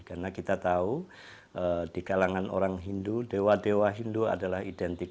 karena kita tahu di kalangan orang hindu dewa dewa hindu adalah identitas